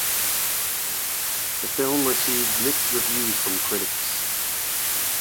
The film received mixed reviews from critics.